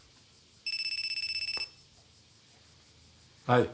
はい。